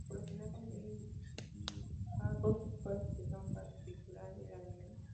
Por lo general, contiene guijarros, los cuales utiliza para triturar el alimento.